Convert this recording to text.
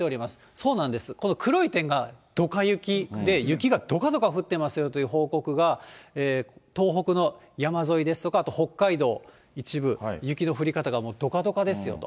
そうなんです、この黒い点がどか雪で、雪がどかどか降ってますよという報告が、東北の山沿いですとか、あと北海道一部、雪の降り方が、もうどかどかですよと。